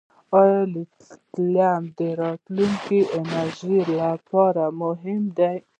آیا لیتیم د راتلونکي انرژۍ لپاره مهم دی؟